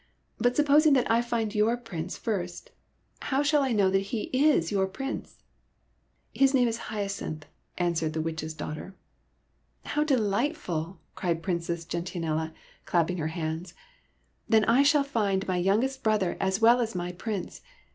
But supposing that I find your Prince first, how shall I know that he is your Prince ?"'' His name is Hyacinth," answered the Witch's daughter. SOMEBODY ELSE^S PRINCE 97 " How delightful !" cried Princess Gentian ella, clapping her hands. " Then I shall find my youngest brother as well as my Prince.